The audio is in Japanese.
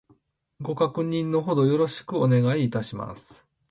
ご確認の程よろしくお願いいたします